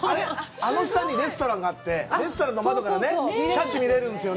あの下にレストランがあって、レストランの窓からね、シャチ見れるんですよね。